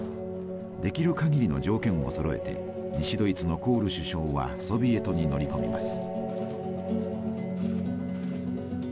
できるかぎりの条件をそろえて西ドイツのコール首相はソビエトに乗り込みます。